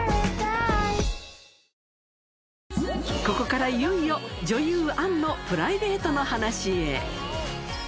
ここからいよいよ女優、杏のプライベートの話へ。